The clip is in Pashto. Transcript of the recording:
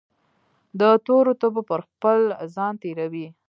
دتورو تبو پرخپل ځان تیروي